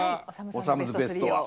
おさむズベストは？